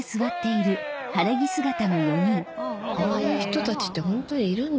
ああいう人たちってホントにいるんだ。